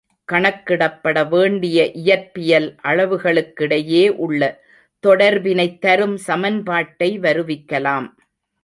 கணக்கிடப்பட வேண்டிய இயற்பியல் அளவுகளுக் கிடையே உள்ள தொடர்பினைத் தரும் சமன்பாட்டை வருவிக்கலாம்.